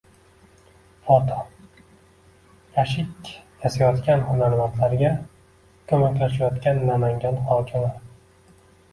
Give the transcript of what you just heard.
Foto: Yashik yasayotgan hunarmandlarga ko‘maklashayotgan Namangan hokimi